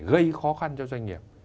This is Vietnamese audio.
gây khó khăn cho doanh nghiệp